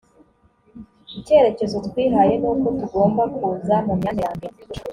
icyerekezo twihaye nuko tugomba kuza mu myanya ya mbere